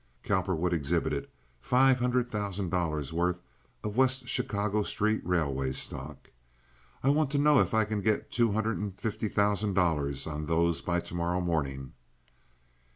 Cowperwood exhibited five hundred thousand dollars' worth of West Chicago Street Railway stock. "I want to know if I can get two hundred and fifty thousand dollars on those by to morrow morning."